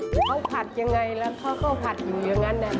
เขาผัดยังไงแล้วเขาก็ผัดอยู่อย่างนั้น